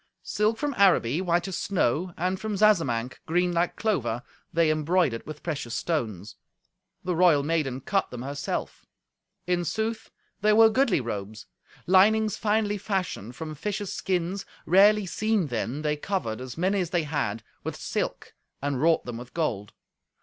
Silk from Araby, white as snow, and from Zazamanc, green like clover, they embroidered with precious stones. The royal maiden cut them herself. In sooth, they were goodly robes. Linings finely fashioned from fishes' skins, rarely seen then, they covered, as many as they had, with silk, and wrought them with gold.